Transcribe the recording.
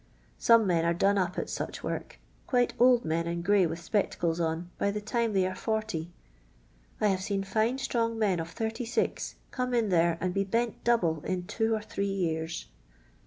Some men are done up at such work — quite old men and gray with spectacles on, by the time they are forty. I have seen fine strong men, of 86, come in there and be bent double in two or three years.